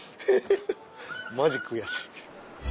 マジ悔しい。